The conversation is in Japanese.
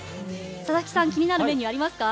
佐々木さん気になるメニューありますか？